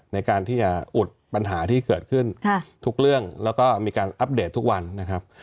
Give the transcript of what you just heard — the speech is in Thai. ในการที่จะอุดปัญหาที่เกิดขึ้นทุกเรื่องแล้วก็มีการอัปเดตทุกวันนะครับ